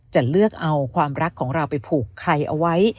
จะเลือกเอาความรักของเราไปผูกใครเอาไว้